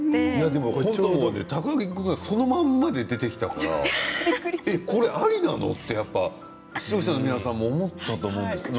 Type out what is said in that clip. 高木君はそのままで出てきたからこれありなの？って視聴者の皆さんも思ったと思うんです。